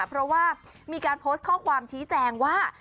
เพราะว่ามีการโพสต์ข้อความชี้แจงว่า